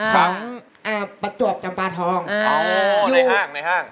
ของประจวบจำปาทองอ๋อในห้าง